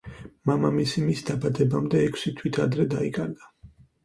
მამამისი მის დაბადებამდე ექვსი თვით ადრე დაიკარგა.